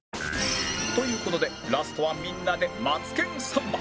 という事でラストはみんなで『マツケンサンバ』